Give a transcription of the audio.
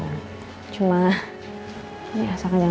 ya seperti apa yang terjadi aku bulan ini